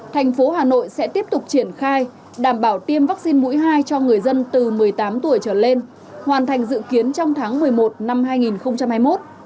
thành phố hà nội sẽ tiếp tục triển khai đảm bảo tiêm vaccine mũi hai cho người dân từ một mươi tám tuổi trở lên hoàn thành dự kiến trong tháng một mươi một năm hai nghìn hai mươi một